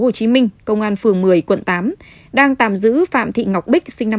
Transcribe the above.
công an phường một mươi công an phường một mươi công an phường một mươi công an phường một mươi công an phường một mươi